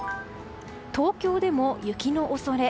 東京でも雪の恐れ。